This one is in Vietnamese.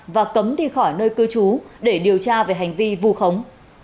và cấm đi khỏi nơi cư trú để điều tra về hành vi vu khống